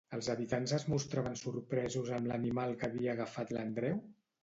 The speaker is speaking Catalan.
Els habitants es mostraven sorpresos amb l'animal que havia agafat l'Andreu?